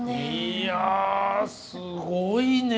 いやすごいね！